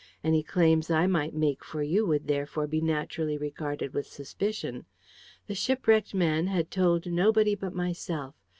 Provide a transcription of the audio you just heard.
Any claims I might make for you would, therefore, be naturally regarded with suspicion. The shipwrecked man had told nobody but myself.